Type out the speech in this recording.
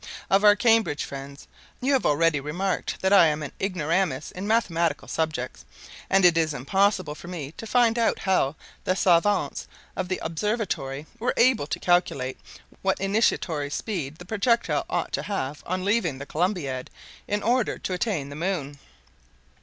"Of our Cambridge friends. You have already remarked that I am an ignoramus in mathematical subjects; and it is impossible for me to find out how the savants of the observatory were able to calculate what initiatory speed the projectile ought to have on leaving the Columbiad in order to attain the moon."